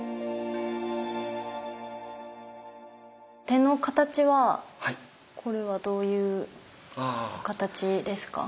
手の形はこれはどういう形ですか？